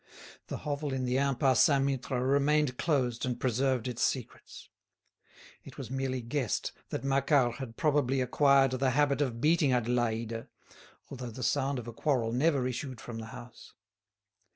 The hovel in the Impasse Saint Mittre remained closed and preserved its secrets. It was merely guessed that Macquart had probably acquired the habit of beating Adélaïde, although the sound of a quarrel never issued from the house.